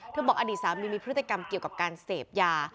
บอกอดีตสามีมีพฤติกรรมเกี่ยวกับการเสพยา